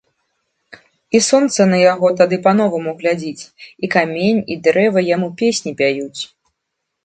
І сонца на яго тады па-новаму глядзіць, і камень, і дрэва яму песні пяюць.